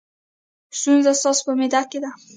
ستونزه ستاسو په معده کې ده.